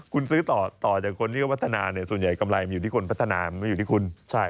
คุณซื้อต่อจากคนที่เขาพัฒนาส่วนใหญ่กำไรมันอยู่ที่คนพัฒนามันไม่อยู่ที่คุณ